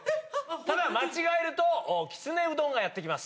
ただ、間違えるときつねうどんがやって来ます。